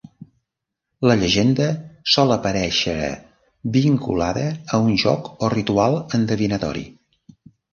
La llegenda sol aparèixer vinculada a un joc o ritual endevinatori.